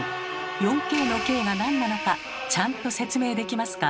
４Ｋの「Ｋ」がなんなのかちゃんと説明できますか？